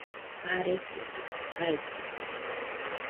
Marefododo jaitɨkue